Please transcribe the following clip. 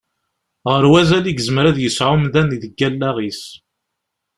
Ɣer wazal i yezmer ad yesɛu umdan deg wallaɣ-is.